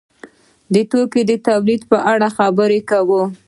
د توکو تولید په اړه خبرې کوو.